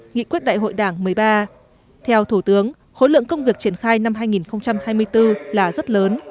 nghị quyết đại hội đảng một mươi ba theo thủ tướng khối lượng công việc triển khai năm hai nghìn hai mươi bốn là rất lớn